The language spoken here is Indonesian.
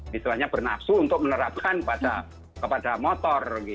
misalnya bernafsu untuk menerapkan kepada motor